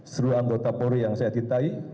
seluruh anggota polri yang saya cintai